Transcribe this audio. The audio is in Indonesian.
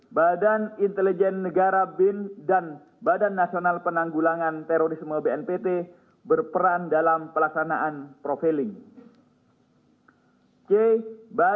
g badan intelijen strategis tni badanimaan tni dan badan nasional penanggulangan terorisme atau bnpt berperan dalam pelaksanaan wawancara pegawai kpk